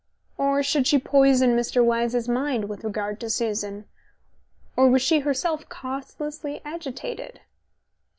Or should she poison Mr. Wyse's mind with regard to Susan? ... Or was she herself causelessly agitated?